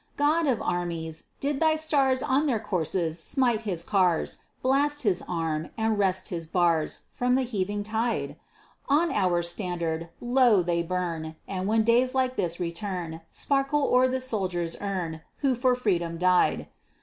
God of armies! did thy stars On their courses smite his cars; Blast his arm, and wrest his bars From the heaving tide? On our standard, lo! they burn, And, when days like this return, Sparkle o'er the soldier's urn Who for freedom died.